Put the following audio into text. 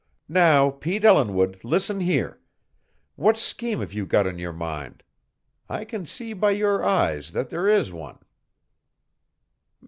Now, Pete Ellinwood, listen here. What scheme have you got in your mind? I can see by your eyes that there is one."